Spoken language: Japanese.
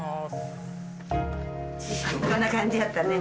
こんな感じやったね。